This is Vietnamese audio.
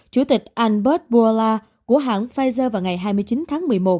chủ tịch albert bola của hãng pfizer vào ngày hai mươi chín tháng một mươi một